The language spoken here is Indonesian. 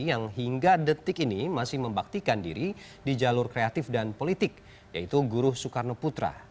yang hingga detik ini masih membaktikan diri di jalur kreatif dan politik yaitu guru soekarno putra